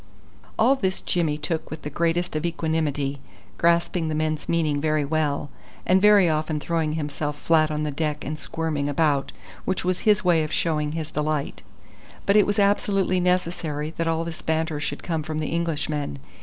All this Jimmy took with the greatest of equanimity, grasping the men's meaning very well, and very often throwing himself flat on the deck and squirming about, which was his way of showing his delight. But it was absolutely necessary that all this banter should come from the Englishmen.